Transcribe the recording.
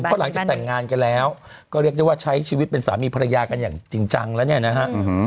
เพราะหลังจากแต่งงานกันแล้วก็เรียกได้ว่าใช้ชีวิตเป็นสามีภรรยากันอย่างจริงจังแล้วเนี่ยนะฮะ